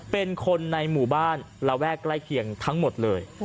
เป็นคนในหมู่บ้านระแวกใกล้เคียงทั้งหมดเลย